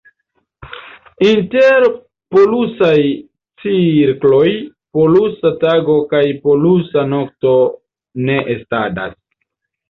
Inter polusaj cirkloj polusa tago kaj polusa nokto ne estadas.